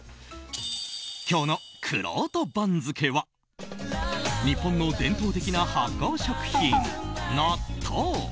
今日のくろうと番付は日本の伝統的な発酵食品、納豆。